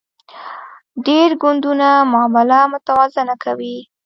ډیر ګوندونه معامله متوازنه کوي